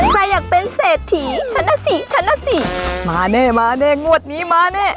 ใครอยากเป็นเศรษฐีฉันน่ะสิฉันน่ะสิมาแน่มาแน่งวดนี้มาแน่